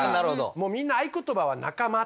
もうみんな合言葉は「仲間」とか。